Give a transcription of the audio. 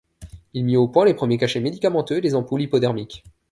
Il mit au point les premiers cachets médicamenteux et les ampoules hypodermiques.